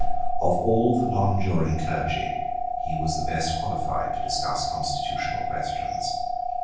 Of all the nonjuring clergy he was the best qualified to discuss constitutional questions.